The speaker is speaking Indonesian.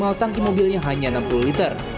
total tangki mobilnya hanya enam puluh liter